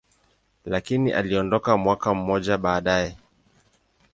lakini aliondoka mwaka mmoja baadaye.